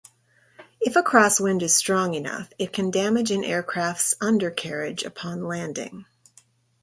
If a crosswind is strong enough, it can damage an aircraft's undercarriage upon landing.